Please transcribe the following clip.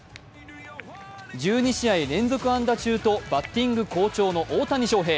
１２試合連続安打中とバッティング好調の大谷翔平。